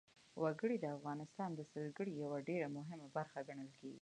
وګړي د افغانستان د سیلګرۍ یوه ډېره مهمه برخه ګڼل کېږي.